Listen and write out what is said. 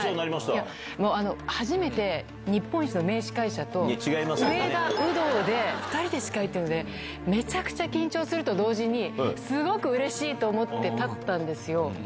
初めて日本一の名司会者と、上田、有働で２人で司会っていうので、めちゃくちゃ緊張すると同時に、すごくうれしいと思って立ったんですよ。